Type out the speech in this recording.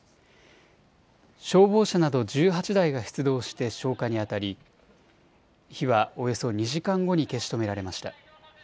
消防車など１８台が出動して消火にあたり火はおよそ２時間後に消し止められました。